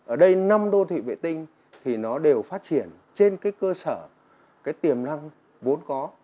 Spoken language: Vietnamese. ở đây năm đô thị vệ tinh thì nó đều phát triển trên cái cơ sở cái tiềm năng vốn có